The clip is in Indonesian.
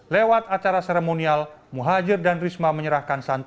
lewat acara seremonial muhajir dan risma menyerahkan santunan